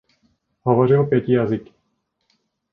Hovořil pěti jazyky.